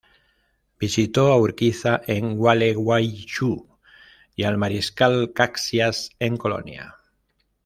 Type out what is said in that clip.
Visitó a Urquiza en Gualeguaychú y al mariscal Caxias en Colonia.